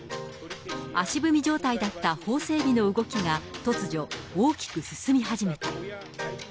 足踏み状態だった法整備の動きが突如、大きく進み始めた。